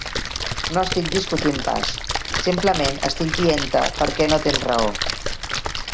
No estic discutint pas; simplement estic dient-te per què no tens raó.